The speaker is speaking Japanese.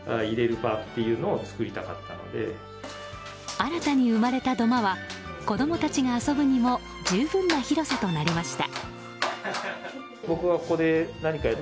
新たに生まれた土間は子供たちが遊ぶにも十分な広さとなりました。